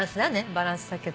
バランスだけど。